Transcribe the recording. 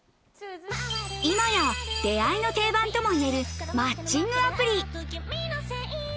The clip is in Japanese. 今や出会いの定番ともいえるマッチングアプリ。